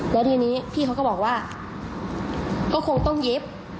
แล้วทีนี้พี่เขาก็บอกว่าก็คงต้องเย็บ